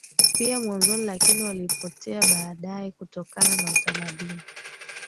pia mwanzoni lakini walipotea baadaye kutokana na utamaduni